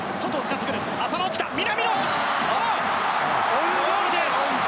オウンゴールです！